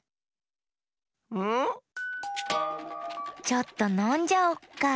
ちょっとのんじゃおっか！